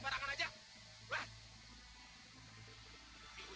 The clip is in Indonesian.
ah bentang bentang punya motor